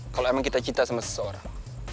kalau emang kita cita sama seseorang